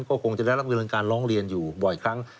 ก็คงจะได้รับเงินการร้องเรียนอยู่บ่อยครั้ง